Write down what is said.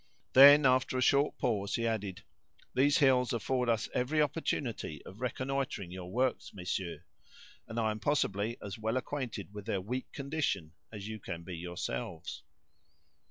Then, after a short pause, he added: "These hills afford us every opportunity of reconnoitering your works, messieurs, and I am possibly as well acquainted with their weak condition as you can be yourselves."